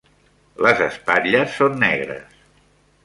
Les espatlles són negres.